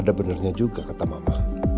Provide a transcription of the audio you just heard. ada benarnya juga kata mama